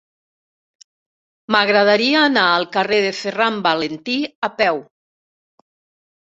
M'agradaria anar al carrer de Ferran Valentí a peu.